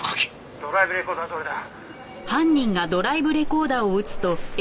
「ドライブレコーダーはどれだ？」